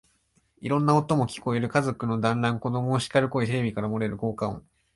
いろんな音も聞こえる。家族の団欒、子供をしかる声、テレビから漏れる効果音、